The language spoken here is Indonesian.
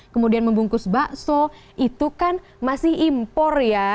kemudian membungkus bakso itu kan masih impor ya